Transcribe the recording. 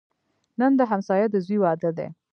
نن د همسایه د زوی واده دی